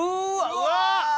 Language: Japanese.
うわっ！